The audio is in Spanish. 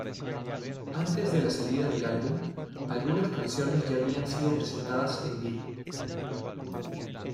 Antes de la salida del álbum, algunas canciones ya habían sido presentadas en vivo.